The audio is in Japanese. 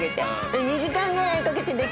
２時間ぐらいかけて。